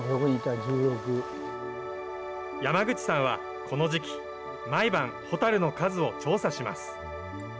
山口さんは、この時期、毎晩、ホタルの数を調査します。